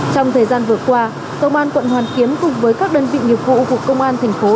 trong thời gian vừa qua công an quận hoàn kiếm cùng với các đơn vị nghiệp vụ thuộc công an thành phố